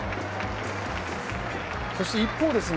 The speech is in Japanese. そして一方ですね